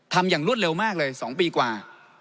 อย่างรวดเร็วมากเลย๒ปีกว่า